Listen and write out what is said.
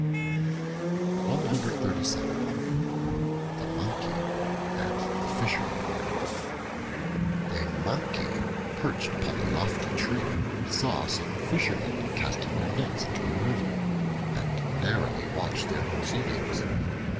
The Monkey and the Fishermen A MONKEY perched upon a lofty tree saw some Fishermen casting their nets into a river, and narrowly watched their proceedings.